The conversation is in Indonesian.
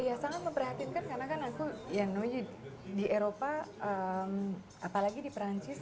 iya sangat memprihatinkan karena kan aku ya noyid di eropa apalagi di perancis